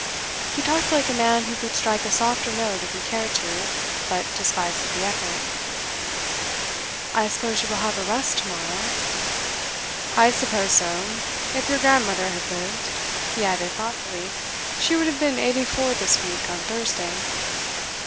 He talked like a man who could strike a softer note if he cared to, but despises the effort. 'I suppose you will have a rest to morrow?' 'I suppose so. If your grandmother had lived,' he added thoughtfully, 'she would have been eighty four this week on Thursday.